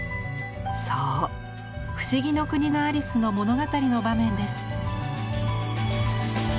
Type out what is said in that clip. そう「不思議の国のアリス」の物語の場面です。